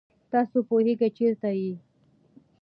تاسو پوهېږئ چېرته یئ؟